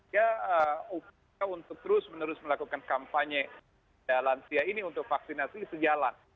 kita untuk terus melakukan kampanye lansia ini untuk vaksinasi sejalan